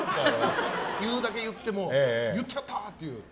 言うだけ言って言っちゃった！っていう。